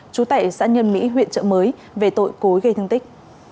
chú tệ xã nhân mỹ huyện trợ mới về tội cối gây thương tích